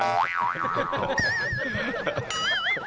ฮ่าฮ่าฮ่าฮ่าฮ่าฮ่าฮ่าฮ่าฮ่าฮ่าฮ่าฮ่าฮ่าฮ่าฮ่า